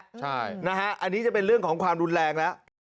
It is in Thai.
ใช่นะฮะอันนี้จะเป็นเรื่องของความรุนแรงแล้ว